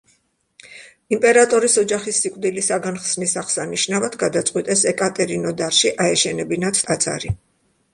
იმპერატორის ოჯახის სიკვდილისაგან ხსნის აღსანიშნავად გადაწყვიტეს ეკატერინოდარში აეშენებინათ ტაძარი.